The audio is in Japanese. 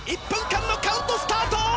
１分間のカウントスタート！